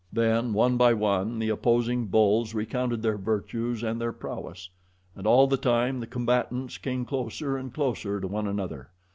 Then, one by one, the opposing bulls recounted their virtues and their prowess. And all the time the combatants came closer and closer to one another.